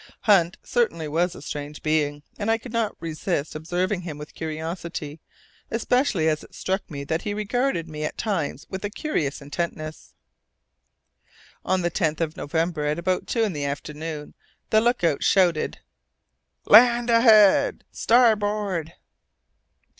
Hunt certainly was a strange being, and I could not resist observing him with curiosity, especially as it struck me that he regarded me at times with a curious intentness. On the 10th of November, at about two in the afternoon, the look out shouted, "Land ahead, starboard!"